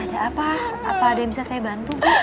ada apa apa ada yang bisa saya bantu